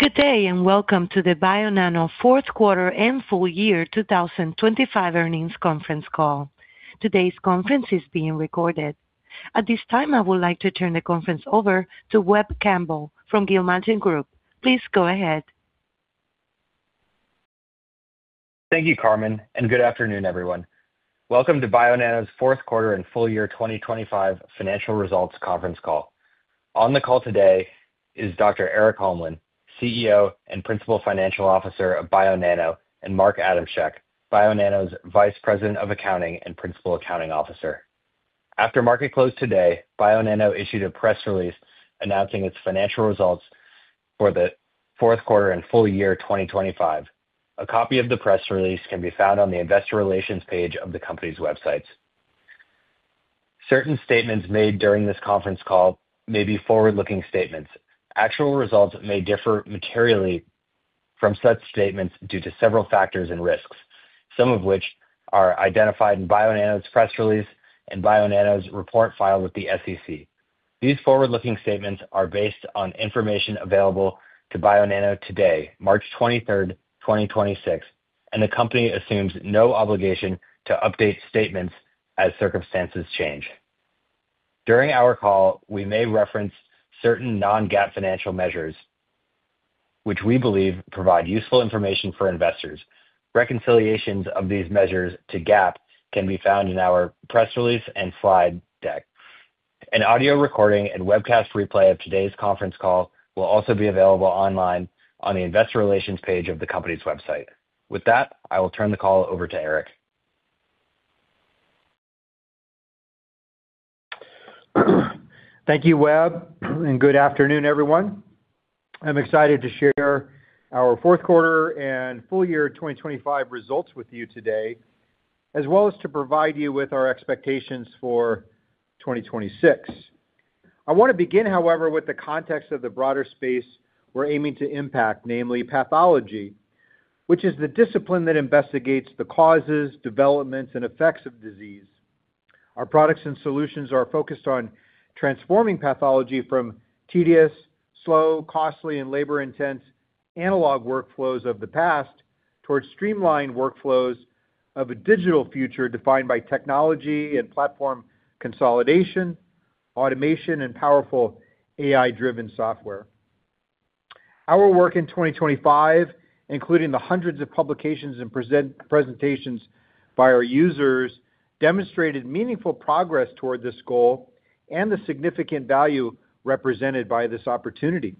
Good day, and welcome to the Bionano Q4 and full year 2025 earnings conference call. Today's conference is being recorded. At this time, I would like to turn the conference over to Webb Campbell from Gilmartin Group. Please go ahead. Thank you, Carmen, and good afternoon, everyone. Welcome to Bionano's Q4 and full year 2025 financial results conference call. On the call today is Dr. Erik Holmlin, CEO and Principal Financial Officer of Bionano, and Mark Adamchak, Bionano's Vice President of Accounting and Principal Accounting Officer. After market close today, Bionano issued a press release announcing its financial results for the Q4 and full year 2025. A copy of the press release can be found on the investor relations page of the company's website. Certain statements made during this conference call may be forward-looking statements. Actual results may differ materially from such statements due to several factors and risks, some of which are identified in Bionano's press release and Bionano's report filed with the SEC. These forward-looking statements are based on information available to Bionano today, March 23, 2026, and the company assumes no obligation to update statements as circumstances change. During our call, we may reference certain non-GAAP financial measures which we believe provide useful information for investors. Reconciliations of these measures to GAAP can be found in our press release and slide deck. An audio recording and webcast replay of today's conference call will also be available online on the investor relations page of the company's website. With that, I will turn the call over to Erik. Thank you, Webb, and good afternoon, everyone. I'm excited to share our Q4 and full year 2025 results with you today, as well as to provide you with our expectations for 2026. I wanna begin, however, with the context of the broader space we're aiming to impact, namely pathology, which is the discipline that investigates the causes, developments, and effects of disease. Our products and solutions are focused on transforming pathology from tedious, slow, costly, and labor-intense analog workflows of the past towards streamlined workflows of a digital future defined by technology and platform consolidation, automation, and powerful AI-driven software. Our work in 2025, including the hundreds of publications and presentations by our users, demonstrated meaningful progress toward this goal and the significant value represented by this opportunity.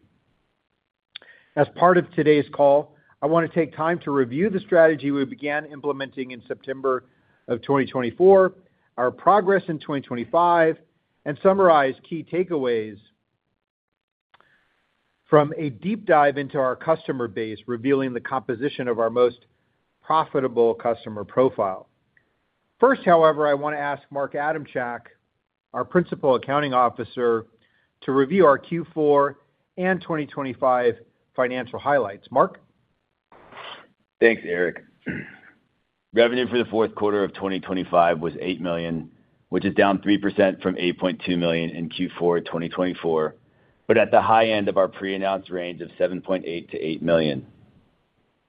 As part of today's call, I wanna take time to review the strategy we began implementing in September of 2024, our progress in 2025, and summarize key takeaways from a deep dive into our customer base, revealing the composition of our most profitable customer profile. First, however, I wanna ask Mark Adamchak, our Principal Accounting Officer, to review our Q4 and 2025 financial highlights. Mark. Thanks, Erik. Revenue for the Q4 of 2025 was $8 million, which is down 3% from $8.2 million in Q4 2024, but at the high end of our pre-announced range of $7.8 million-$8 million.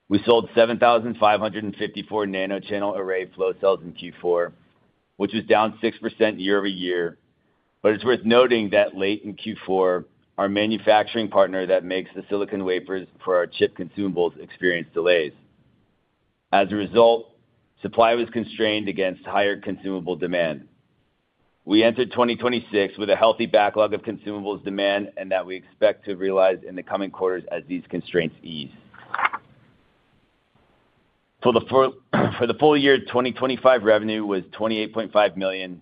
We sold 7,554 nanochannel array flow cells in Q4, which is down 6% year-over-year. It's worth noting that late in Q4, our manufacturing partner that makes the silicon wafers for our chip consumables experienced delays. As a result, supply was constrained against higher consumable demand. We entered 2026 with a healthy backlog of consumables demand and that we expect to realize in the coming quarters as these constraints ease. For the full year 2025 revenue was $28.5 million,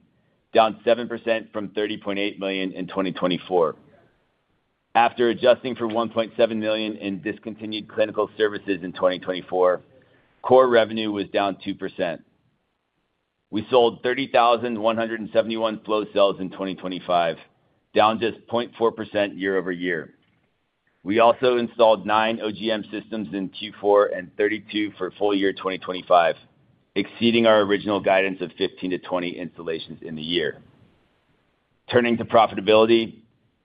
down 7% from $30.8 million in 2024. After adjusting for $1.7 million in discontinued clinical services in 2024, core revenue was down 2%. We sold 30,171 flow cells in 2025, down just 0.4% year-over-year. We also installed 9 OGM systems in Q4 and 32 for full year 2025, exceeding our original guidance of 15-20 installations in the year. Turning to profitability,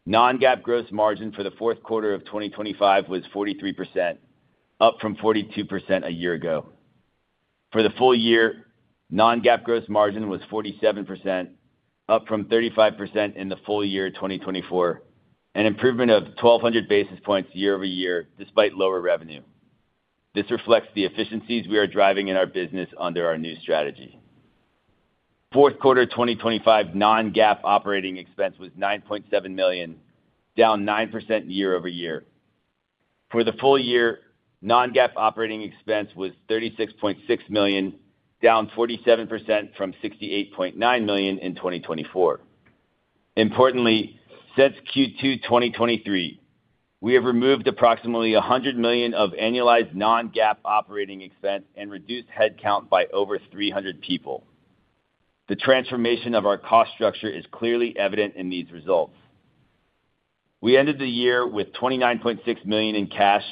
non-GAAP gross margin for the Q4 of 2025 was 43%, up from 42% a year ago. For the full year, non-GAAP gross margin was 47%, up from 35% in the full year 2024, an improvement of 1,200 basis points year-over-year despite lower revenue. This reflects the efficiencies we are driving in our business under our new strategy. Q4 2025 non-GAAP operating expense was $9.7 million, down 9% year-over-year. For the full year, non-GAAP operating expense was $36.6 million, down 47% from $68.9 million in 2024. Importantly, since Q2 2023, we have removed approximately $100 million of annualized non-GAAP operating expense and reduced headcount by over 300 people. The transformation of our cost structure is clearly evident in these results. We ended the year with $29.6 million in cash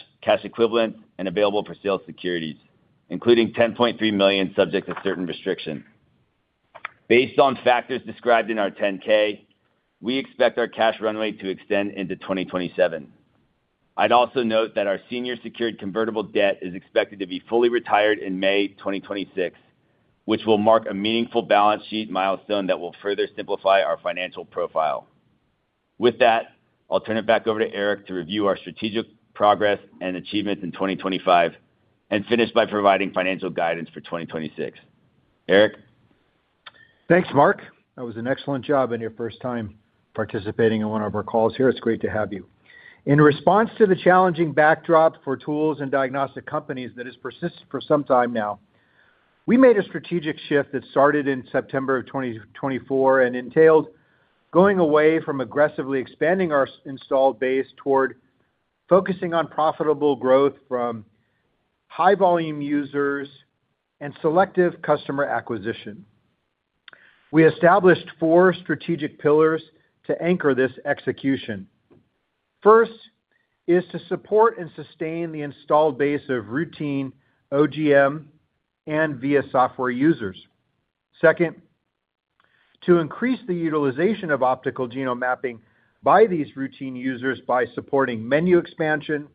equivalents, and available-for-sale securities, including $10.3 million subject to certain restrictions. Based on factors described in our 10-K, we expect our cash runway to extend into 2027. I'd also note that our senior secured convertible debt is expected to be fully retired in May 2026, which will mark a meaningful balance sheet milestone that will further simplify our financial profile. With that, I'll turn it back over to Erik to review our strategic progress and achievements in 2025 and finish by providing financial guidance for 2026. Erik? Thanks, Mark. That was an excellent job in your first time participating in one of our calls here. It's great to have you. In response to the challenging backdrop for tools and diagnostic companies that has persisted for some time now, we made a strategic shift that started in September 2024 and entailed going away from aggressively expanding our installed base toward focusing on profitable growth from high volume users and selective customer acquisition. We established four strategic pillars to anchor this execution. First, is to support and sustain the installed base of routine OGM and VIA software users. Second, to increase the utilization of optical genome mapping by these routine users by supporting menu expansion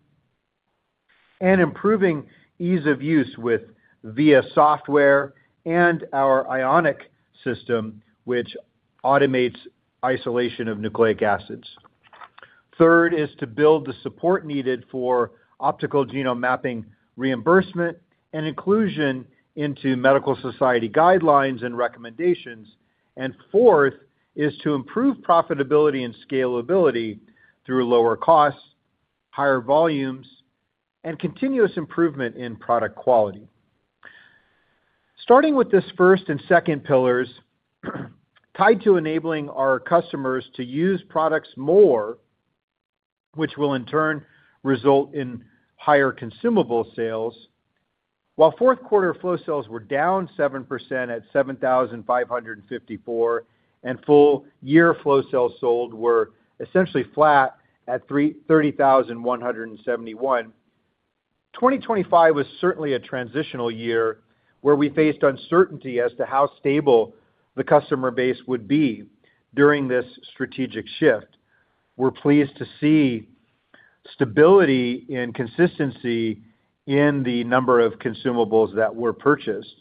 and improving ease of use with VIA software and our Ionic system, which automates isolation of nucleic acids. Third, is to build the support needed for optical genome mapping reimbursement and inclusion into medical society guidelines and recommendations. Fourth, is to improve profitability and scalability through lower costs, higher volumes, and continuous improvement in product quality. Starting with this first and second pillars, tied to enabling our customers to use products more, which will in turn result in higher consumable sales. While Q4 flow cells were down 7% at 7,554, and full year flow cells sold were essentially flat at 30,171. 2025 was certainly a transitional year where we faced uncertainty as to how stable the customer base would be during this strategic shift. We're pleased to see stability and consistency in the number of consumables that were purchased.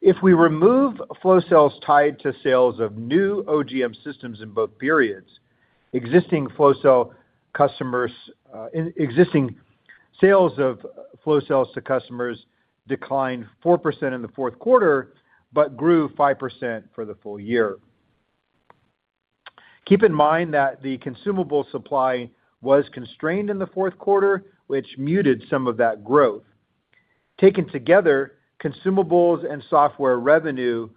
If we remove flow cells tied to sales of new OGM systems in both periods, existing flow cell customers, existing sales of flow cells to customers declined 4% in the Q4, but grew 5% for the full year. Keep in mind that the consumable supply was constrained in the Q4, which muted some of that growth. Taken together, consumables and software revenue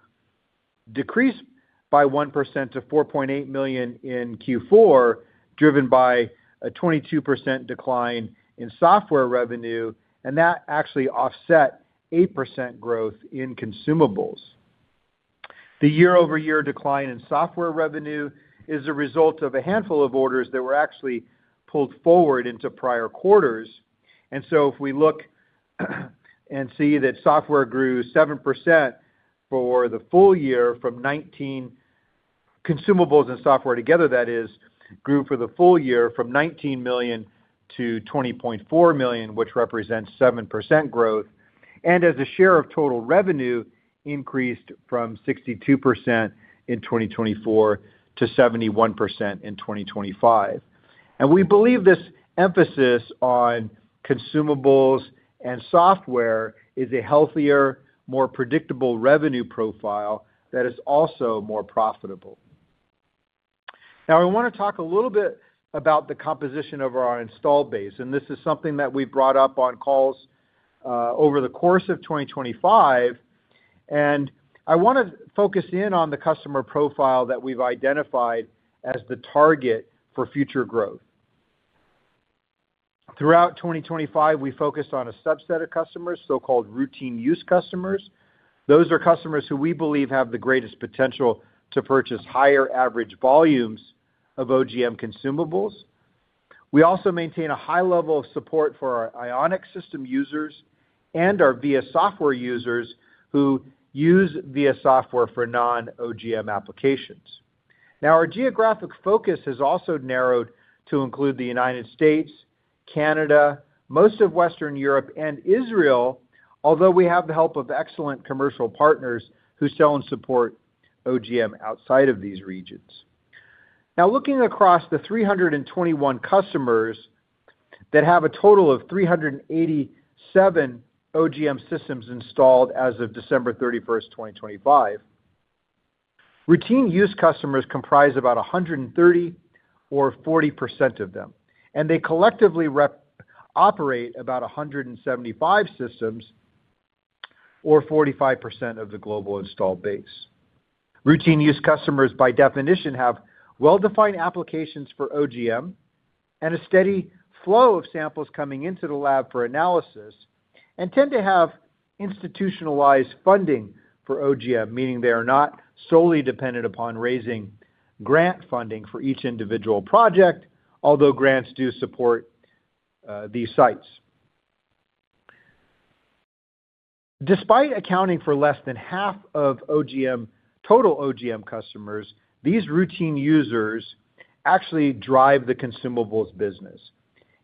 decreased by 1% to $4.8 million in Q4, driven by a 22% decline in software revenue, and that actually offset 8% growth in consumables. The year-over-year decline in software revenue is a result of a handful of orders that were actually pulled forward into prior quarters. If we look and see that software grew 7% for the full year from nineteen. Consumables and software together, that is, grew for the full year from $19 million to $20.4 million, which represents 7% growth. As a share of total revenue increased from 62% in 2024 to 71% in 2025. We believe this emphasis on consumables and software is a healthier, more predictable revenue profile that is also more profitable. Now, I want to talk a little bit about the composition of our installed base, and this is something that we brought up on calls over the course of 2025, and I want to focus in on the customer profile that we've identified as the target for future growth. Throughout 2025, we focused on a subset of customers, so-called routine use customers. Those are customers who we believe have the greatest potential to purchase higher average volumes of OGM consumables. We also maintain a high level of support for our Ionic system users and our VIA software users who use VIA software for non-OGM applications. Our geographic focus has also narrowed to include the United States, Canada, most of Western Europe, and Israel, although we have the help of excellent commercial partners who sell and support OGM outside of these regions. Looking across the 321 customers that have a total of 387 OGM systems installed as of December 31, 2025. Routine use customers comprise about thirty or forty percent of them, and they collectively operate about 175 systems or 45% of the global installed base. Routine use customers, by definition, have well-defined applications for OGM and a steady flow of samples coming into the lab for analysis and tend to have institutionalized funding for OGM, meaning they are not solely dependent upon raising grant funding for each individual project, although grants do support these sites. Despite accounting for less than half of total OGM customers, these routine users actually drive the consumables business.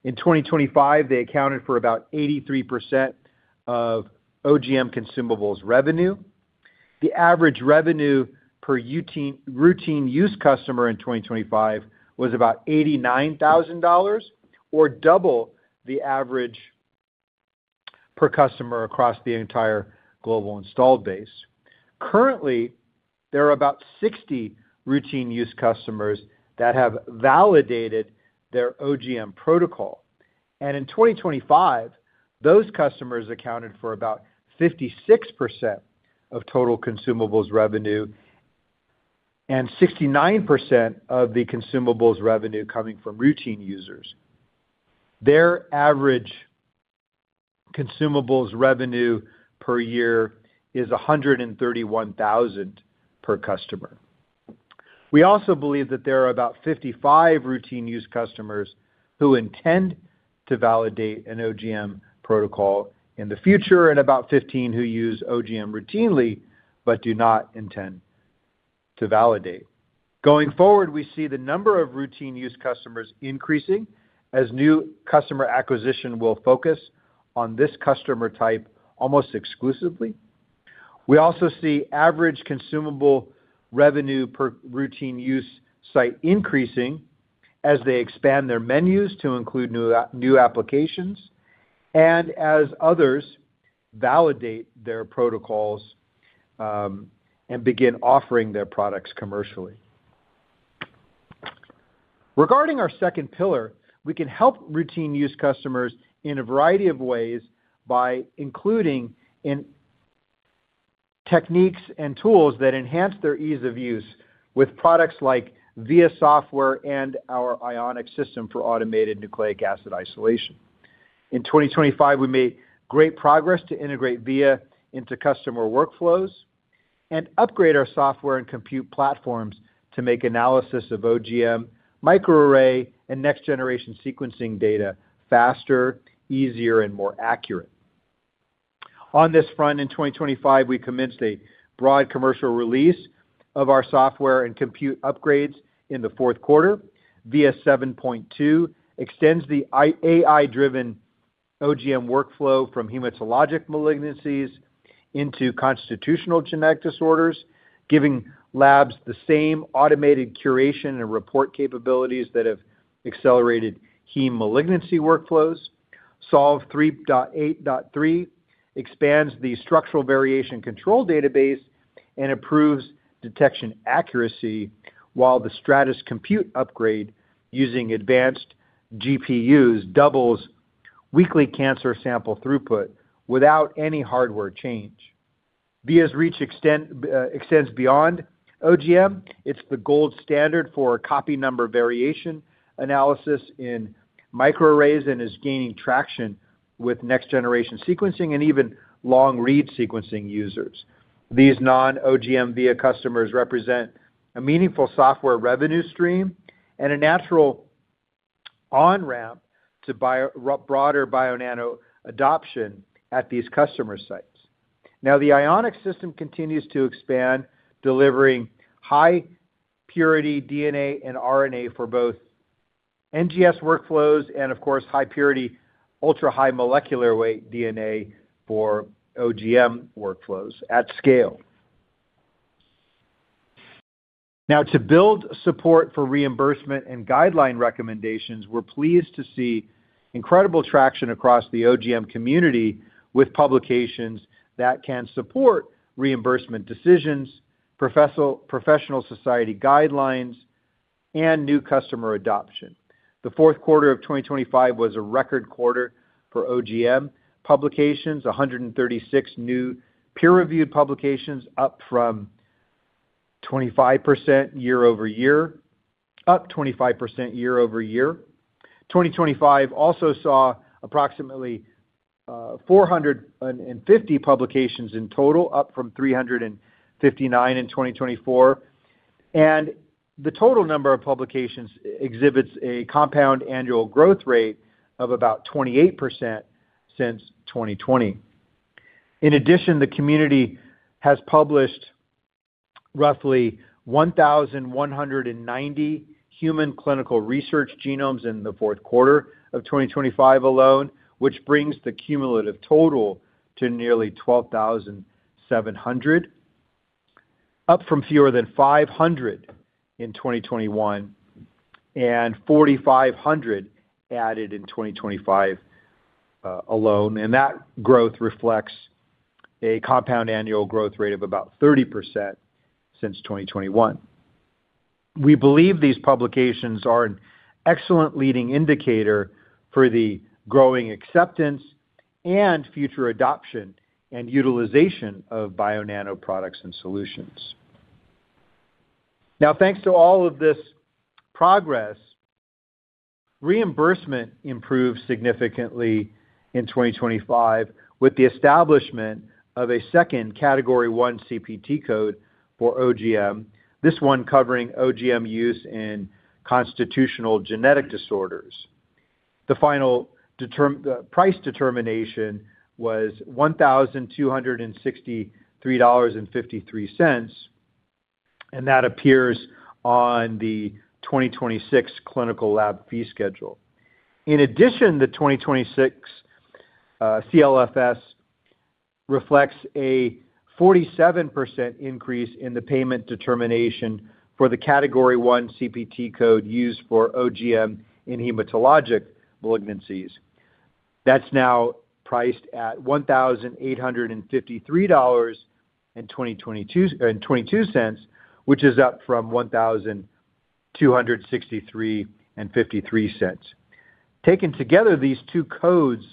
In 2025, they accounted for about 83% of OGM consumables revenue. The average revenue per routine use customer in 2025 was about $89,000 or double the average per customer across the entire global installed base. Currently, there are about 60 routine use customers that have validated their OGM protocol. In 2025, those customers accounted for about 56% of total consumables revenue and 69% of the consumables revenue coming from routine users. Their average consumables revenue per year is $131,000 per customer. We also believe that there are about 55 routine use customers who intend to validate an OGM protocol in the future, and about 15 who use OGM routinely, but do not intend to validate. Going forward, we see the number of routine use customers increasing as new customer acquisition will focus on this customer type almost exclusively. We also see average consumable revenue per routine use site increasing as they expand their menus to include new applications and as others validate their protocols, and begin offering their products commercially. Regarding our second pillar, we can help routine use customers in a variety of ways by including in techniques and tools that enhance their ease of use with products like VIA software and our Ionic system for automated nucleic acid isolation. In 2025, we made great progress to integrate VIA into customer workflows and upgrade our software and compute platforms to make analysis of OGM microarray and next-generation sequencing data faster, easier, and more accurate. On this front, in 2025, we commenced a broad commercial release of our software and compute upgrades in the Q4. VIA 7.2 extends the AI-driven OGM workflow from hematologic malignancies into constitutional genetic disorders, giving labs the same automated curation and report capabilities that have accelerated hematologic malignancy workflows. Solve 3.8.3 expands the structural variation control database and improves detection accuracy, while the Stratys compute upgrade using advanced GPUs doubles weekly cancer sample throughput without any hardware change. VIA's reach extends beyond OGM. It's the gold standard for copy number variation analysis in microarrays and is gaining traction with next-generation sequencing and even long-read sequencing users. These non-OGM VIA customers represent a meaningful software revenue stream and a natural on-ramp to broader Bionano adoption at these customer sites. The Ionic system continues to expand, delivering high-purity DNA and RNA for both NGS workflows and of course, high-purity, ultra-high molecular weight DNA for OGM workflows at scale. To build support for reimbursement and guideline recommendations, we're pleased to see incredible traction across the OGM community with publications that can support reimbursement decisions, professional society guidelines, and new customer adoption. The Q4 of 2025 was a record quarter for OGM publications, 136 new peer-reviewed publications, up 25% year-over-year. 2025 also saw approximately 450 publications in total, up from 359 in 2024. The total number of publications exhibits a compound annual growth rate of about 28% since 2020. In addition, the community has published roughly 1,190 human clinical research genomes in the Q4 of 2025 alone, which brings the cumulative total to nearly 12,700, up from fewer than 500 in 2021, and 4,500 added in 2025 alone. That growth reflects a compound annual growth rate of about 30% since 2021. We believe these publications are an excellent leading indicator for the growing acceptance and future adoption and utilization of Bionano products and solutions. Now, thanks to all of this progress, reimbursement improved significantly in 2025 with the establishment of a second Category I CPT code for OGM, this one covering OGM use in constitutional genetic disorders. The final price determination was $1,263.53. That appears on the 2026 clinical lab fee schedule. In addition, the 2026 CLFS reflects a 47% increase in the payment determination for the Category I CPT code used for OGM in hematologic malignancies. That's now priced at $1,853.22, which is up from $1,263.53. Taken together, these two codes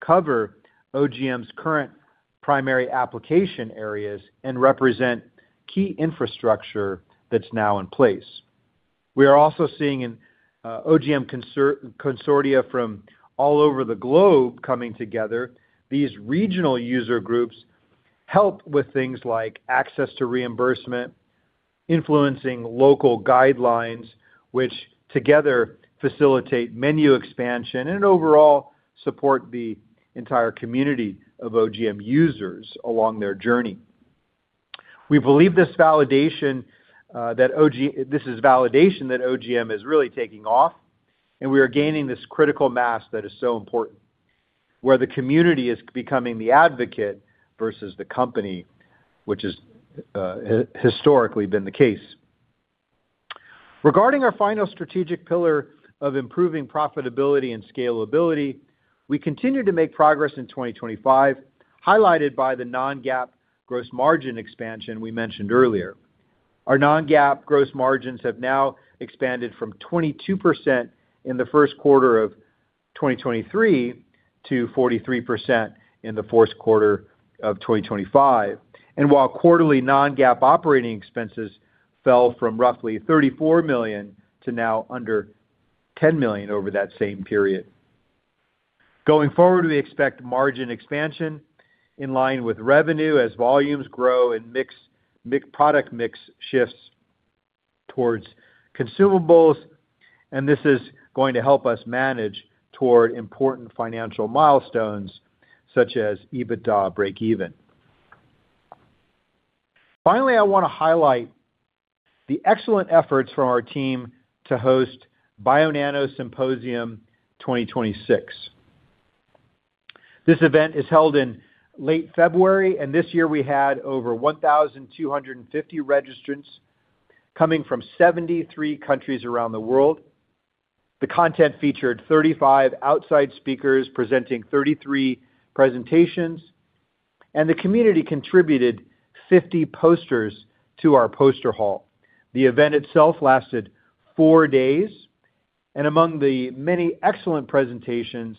cover OGM's current primary application areas and represent key infrastructure that's now in place. We are also seeing an OGM consortia from all over the globe coming together. These regional user groups help with things like access to reimbursement, influencing local guidelines, which together facilitate menu expansion and overall support the entire community of OGM users along their journey. We believe this validation. This is validation that OGM is really taking off, and we are gaining this critical mass that is so important, where the community is becoming the advocate versus the company, which is historically been the case. Regarding our final strategic pillar of improving profitability and scalability, we continue to make progress in 2025, highlighted by the non-GAAP gross margin expansion we mentioned earlier. Our non-GAAP gross margins have now expanded from 22% in the Q1 of 2023 to 43% in the Q4 of 2025. While quarterly non-GAAP operating expenses fell from roughly $34 million to now under $10 million over that same period. Going forward, we expect margin expansion in line with revenue as volumes grow and product mix shifts towards consumables, and this is going to help us manage toward important financial milestones such as EBITDA breakeven. Finally, I want to highlight the excellent efforts from our team to host Bionano Symposium 2026. This event is held in late February, and this year we had over 1,250 registrants coming from 73 countries around the world. The content featured 35 outside speakers presenting 33 presentations, and the community contributed 50 posters to our poster hall. The event itself lasted 4 days, and among the many excellent presentations,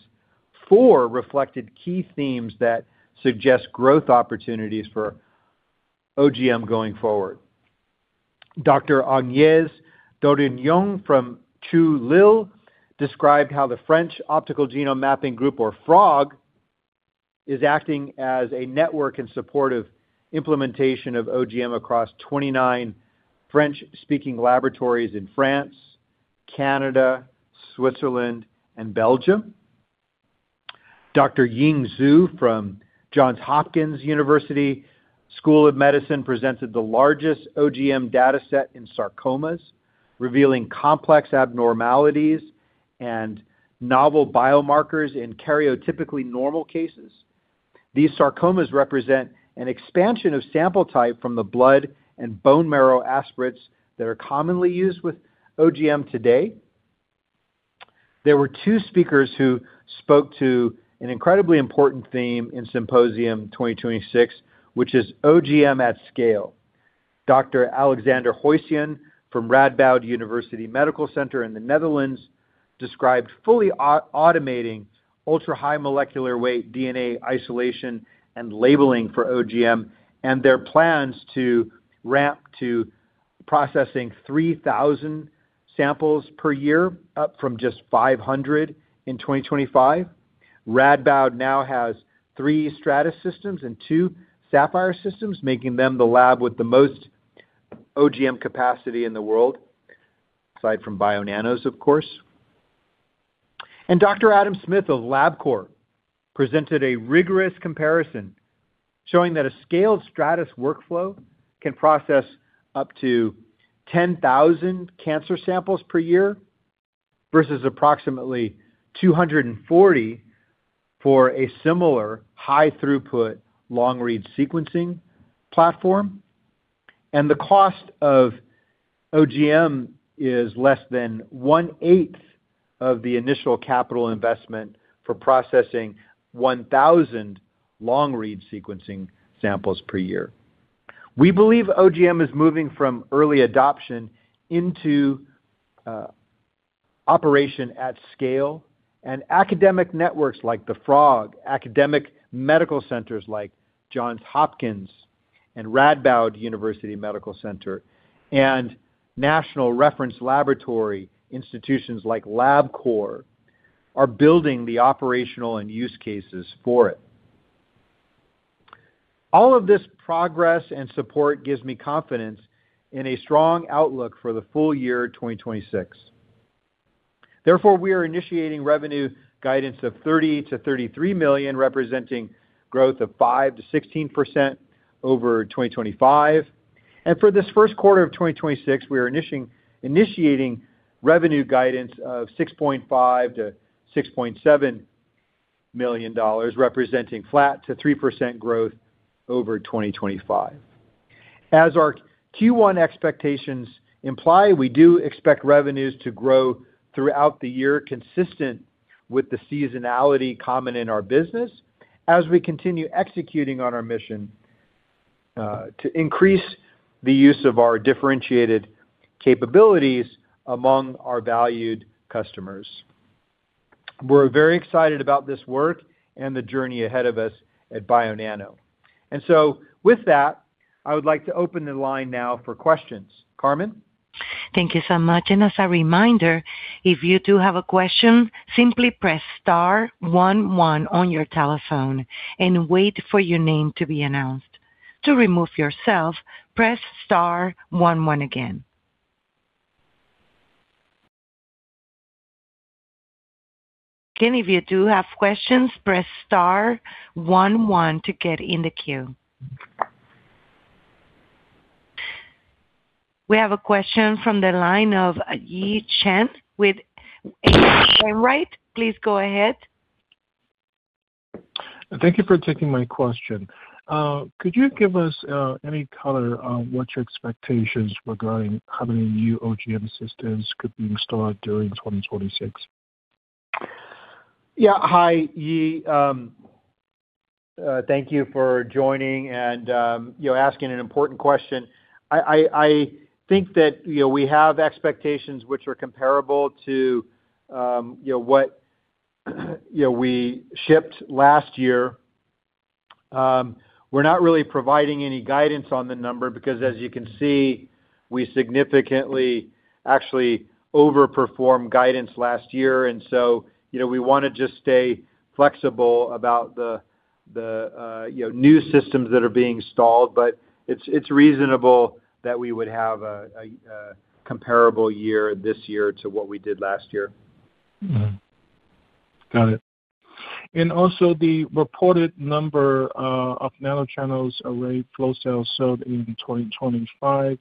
4 reflected key themes that suggest growth opportunities for OGM going forward. Dr. Agnès Dorion from Lille described how the French Optical Genome Mapping group or FROG is acting as a network in support of implementation of OGM across 29 French-speaking laboratories in France, Canada, Switzerland, and Belgium. Dr. Ying Xu from Johns Hopkins University School of Medicine presented the largest OGM data set in sarcomas, revealing complex abnormalities and novel biomarkers in karyotypically normal cases. These sarcomas represent an expansion of sample type from the blood and bone marrow aspirates that are commonly used with OGM today. There were two speakers who spoke to an incredibly important theme in Bionano Symposium 2026, which is OGM at scale. Dr. Alexander Hoischen from Radboud University Medical Center in the Netherlands described fully automating ultra-high molecular weight DNA isolation and labeling for OGM and their plans to ramp to processing 3,000 samples per year, up from just 500 in 2025. Radboud now has 3 Stratys systems and 2 Saphyr systems, making them the lab with the most OGM capacity in the world, aside from Bionano's, of course. Dr. Adam Smith of Labcorp presented a rigorous comparison showing that a scaled Stratys workflow can process up to 10,000 cancer samples per year, versus approximately 240 for a similar high-throughput long-read sequencing platform. The cost of OGM is less than one-eighth of the initial capital investment for processing 1,000 long-read sequencing samples per year. We believe OGM is moving from early adoption into operation at scale, and academic networks like the FROG, academic medical centers like Johns Hopkins and Radboud University Medical Center, and national reference laboratory institutions like Labcorp are building the operational and use cases for it. All of this progress and support gives me confidence in a strong outlook for the full year 2026. Therefore, we are initiating revenue guidance of $30 million-$33 million, representing 5%-16% growth over 2025. For this Q1 of 2026, we are initiating revenue guidance of $6.5 million-$6.7 million, representing flat to 3% growth over 2025. As our Q1 expectations imply, we do expect revenues to grow throughout the year, consistent with the seasonality common in our business as we continue executing on our mission to increase the use of our differentiated capabilities among our valued customers. We're very excited about this work and the journey ahead of us at Bionano. With that, I would like to open the line now for questions. Carmen? Thank you so much. As a reminder, if you do have a question, simply press star one one on your telephone and wait for your name to be announced. To remove yourself, press star one one again. Again, if you do have questions, press star one one to get in the queue. We have a question from the line of Yi Chen with H.C. Wainwright. Please go ahead. Thank you for taking my question. Could you give us any color on what your expectations regarding how many new OGM systems could be installed during 2026? Yeah. Hi, Yi. Thank you for joining and, you know, asking an important question. I think that, you know, we have expectations which are comparable to, you know, what, you know, we shipped last year. We're not really providing any guidance on the number because as you can see, we significantly actually overperformed guidance last year and so, you know, we wanna just stay flexible about the, you know, new systems that are being installed but it's reasonable that we would have a comparable year this year to what we did last year. Got it. Also the reported number of nanochannel array flow cells sold in 2025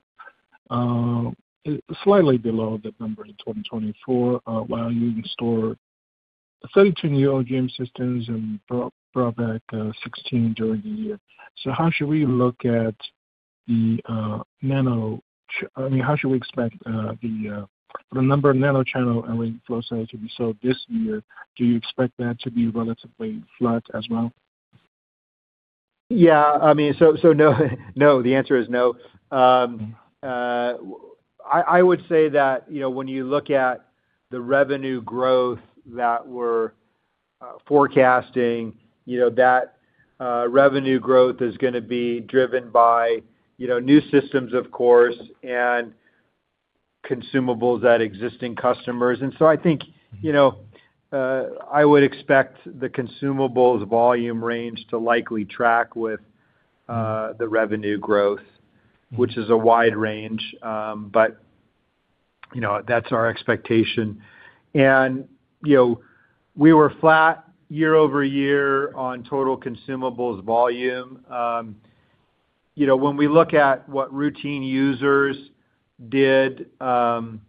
is slightly below the number in 2024, while you installed 32 new OGM systems and brought back 16 during the year. How should we look at the nanochannel array flow cells? I mean, how should we expect the number of nanochannel array flow cells to be sold this year? Do you expect that to be relatively flat as well? Yeah, I mean, so no. No, the answer is no. I would say that, you know, when you look at the revenue growth that we're forecasting, you know, that revenue growth is gonna be driven by, you know, new systems of course, and consumables at existing customers. I think, you know, I would expect the consumables volume range to likely track with the revenue growth, which is a wide range, but, you know, that's our expectation. You know, we were flat year-over-year on total consumables volume. You know, when we look at what routine users did, you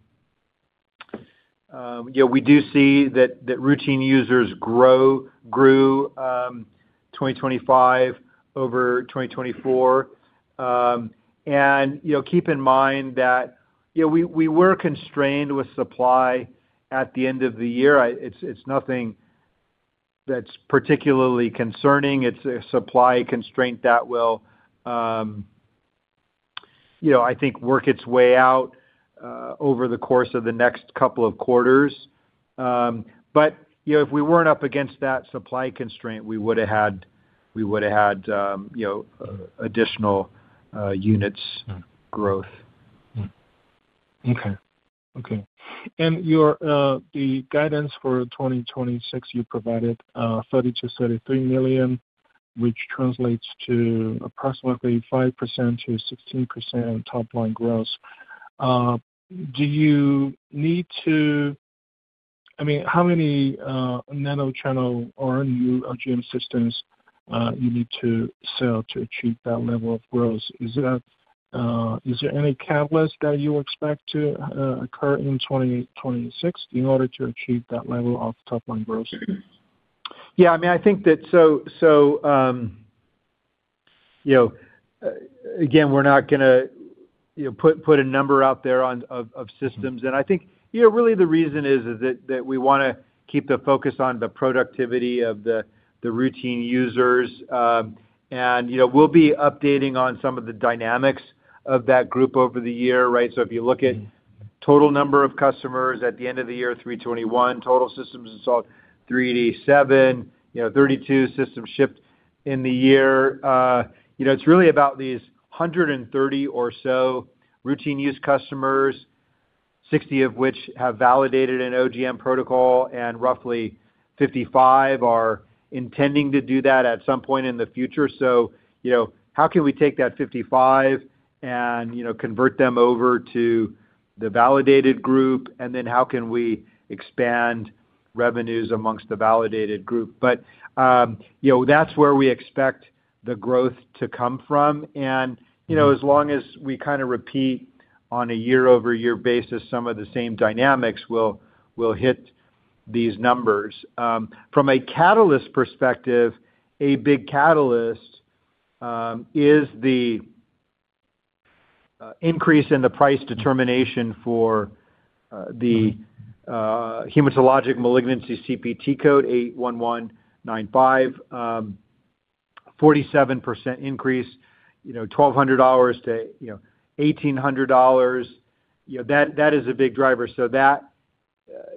know, we do see that routine users grew 2025 over 2024. You know, keep in mind that, you know, we were constrained with supply at the end of the year. It's nothing that's particularly concerning. It's a supply constraint that will, you know, I think, work its way out over the course of the next couple of quarters. You know, if we weren't up against that supply constraint, we would've had, you know, additional units growth. Your guidance for 2026, you provided, $30 million-$33 million, which translates to approximately 5%-16% top line growth. Do you need to sell how many nanochannel or new OGM systems to achieve that level of growth? Is there any catalyst that you expect to occur in 2026 in order to achieve that level of top line growth? I mean, I think so, you know, again, we're not gonna, you know, put a number out there of systems. I think, you know, really the reason is that we wanna keep the focus on the productivity of the routine users. You know, we'll be updating on some of the dynamics of that group over the year, right? If you look at total number of customers at the end of the year, 321, total systems installed, 387. You know, 32 systems shipped in the year. You know, it's really about these 130 or so routine use customers, 60 of which have validated an OGM protocol and roughly 55 are intending to do that at some point in the future. You know, how can we take that 55 and, you know, convert them over to the validated group, and then how can we expand revenues among the validated group? You know, that's where we expect the growth to come from. You know, as long as we kind of repeat on a year-over-year basis some of the same dynamics, we'll hit these numbers. From a catalyst perspective, a big catalyst is the increase in the price determination for the hematologic malignancy CPT code 81195. 47% increase, you know, $1,200-$1,800. You know, that is a big driver. That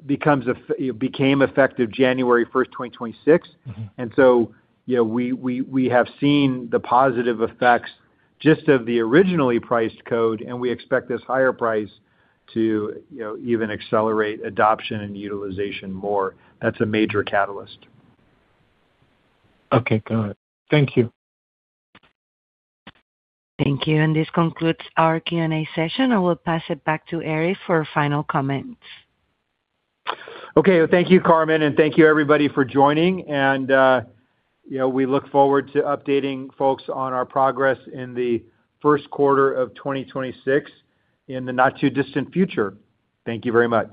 became effective January 1, 2026. you know, we have seen the positive effects just of the originally priced code, and we expect this higher price to, you know, even accelerate adoption and utilization more. That's a major catalyst. Okay, got it. Thank you. Thank you, and this concludes our Q&A session. I will pass it back to Erik for final comments. Okay. Thank you, Carmen, and thank you everybody for joining. You know, we look forward to updating folks on our progress in the Q1 of 2026 in the not too distant future. Thank you very much.